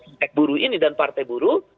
aspek buruh ini dan partai buruh